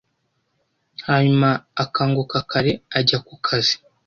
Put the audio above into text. hanyuma akanguka kare ajya kukazi.